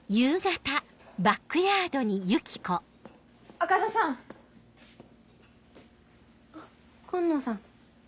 赤座さん！あっ紺野さん。